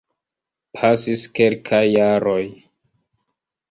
Pasis kelkaj jaroj.